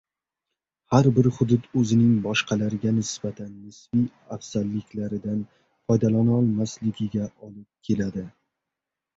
har bir hudud o‘zining boshqalarga nisbatan nisbiy afzalliklaridan foydalanolmasligiga olib keladi.